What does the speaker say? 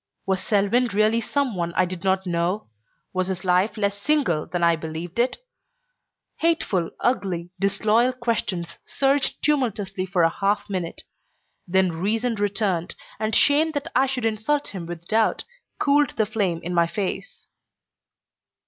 Was Selwyn really some one I did not know? Was his life less single than I believed it? Hateful, ugly, disloyal questions surged tumultuously for a half minute; then reason returned, and shame that I should insult him with doubt, cooled the flame in my face.